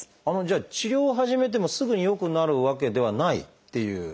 治療を始めてもすぐに良くなるわけではないっていうことですよね。